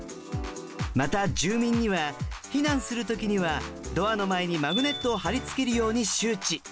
また住民には避難するときにはドアの前にマグネットを貼り付けるように周知。